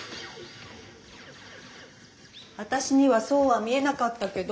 ・私にはそうは見えなかったけど。